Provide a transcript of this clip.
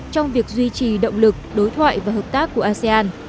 trong việc duy trì động lực đối thoại và hợp tác của asean